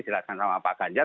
jelasin sama pak ganjar